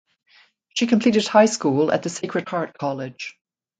She completed high school at the Sacred Heart College.